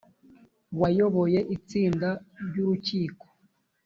wayoboye itsinda ry urukiko